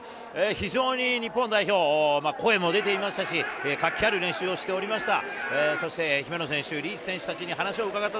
非常に日本代表、声も出ていましたし、活気ある練習をしておりました。